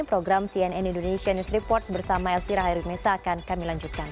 program cnn indonesia news report bersama elvira hairimesa akan kami lanjutkan